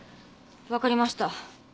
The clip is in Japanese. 分かりました。